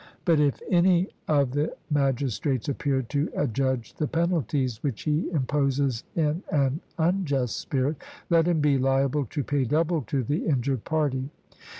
But if any of the magistrates appear to adjudge the penalties which he imposes in an unjust spirit, let him be liable to pay double to the injured party.